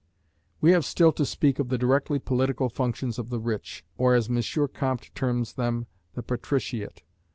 We have still to speak of the directly political functions of the rich, or, as M. Comte terms them, the patriciate.